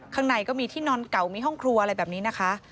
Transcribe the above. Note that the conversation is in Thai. ข้างในก็มีที่นอนเก่ามีห้องครัวอะไรแบบนี้นะคะ